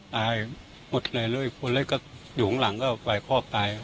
ตายหมดเลยคนเลยอยู่ข้างหลังก็ไหวข้อไป